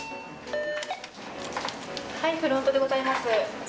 フロントでございます。